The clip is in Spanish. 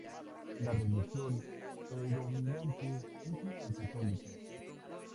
La religión predominante es la católica.